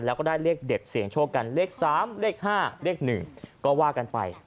แล้วก็ได้เลขเด็ดเสี่ยงโชคกันเลข๓เลข๕เลข๑ก็ว่ากันไป